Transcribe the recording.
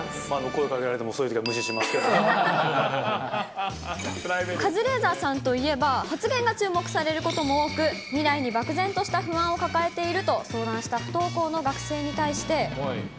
声かけられても、そういうとカズレーザーさんといえば、発言が注目されることも多く、未来に漠然とした不安を抱えていると相談した不登校の学生に対して。